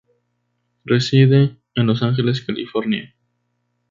Reside" en Los Ángeles, California.